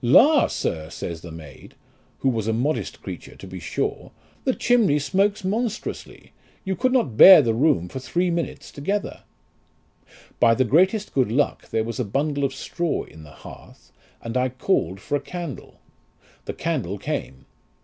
La ! sir, says the maid, who was a modest creature to be sure, the chimney smokes monstrously ; you could not bear the room for three minutes together. By the greatest good luck there was a bundle of straw in the hearth, and I called for a candle. The candle came.